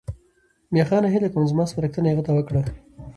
میاخانه هیله کوم زما سپارښتنه هغه ته وکړه.